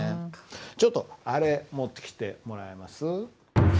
ちょっとあれ持ってきてもらえます？